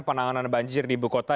penanganan banjir di ibu kota